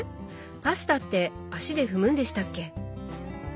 パスタって足で踏むんでしたっけ？